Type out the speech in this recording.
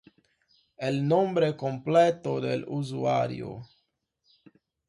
el nombre completo del usuario